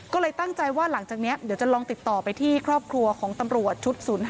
ก็เลยตั้งใจว่าหลังจากนี้เดี๋ยวจะลองติดต่อไปที่ครอบครัวของตำรวจชุด๐๕